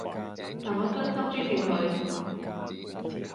但我真心尊敬佢